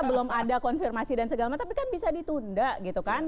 belum ada konfirmasi dan segala macam tapi kan bisa ditunda gitu kan